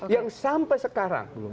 yang sampai sekarang